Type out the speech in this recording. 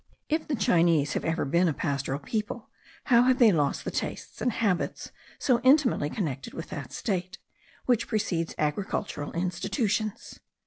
If the Chinese have ever been a pastoral people, how have they lost the tastes and habits so intimately connected with that state, which precedes agricultural institutions?